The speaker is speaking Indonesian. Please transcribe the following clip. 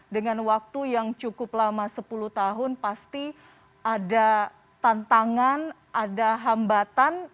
dengan waktu yang cukup lama sepuluh tahun pasti ada tantangan ada hambatan